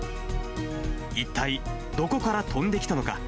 一体どこから飛んできたのか。